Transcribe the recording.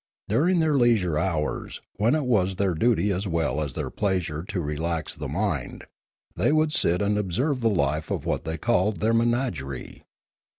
During their leisure hours, when it was their duty as well as their pleasure to relax the mind, they would sit and observe the life of what they called their menagerie.